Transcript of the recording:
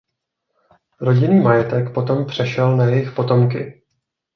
Rodinný majetek potom přešel na jejich potomky.